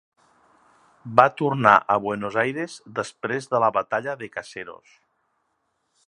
Va tornar a Buenos Aires després de la Batalla de Caseros.